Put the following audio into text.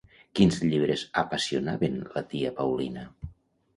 Quins llibres apassionaven la tia Paulina?